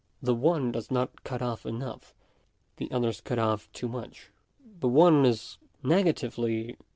The one does not cut off enough ; the , other cuts off too much. The one is negatively